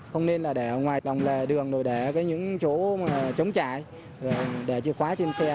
không nên là để ở ngoài đồng lề đường để ở những chỗ chống chạy để chìa khóa trên xe